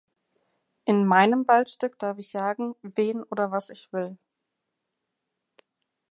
In meinem Waldstück darf ich jagen, wen oder was ich will.